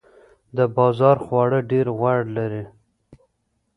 د بازار خواړه ډیر غوړ لري.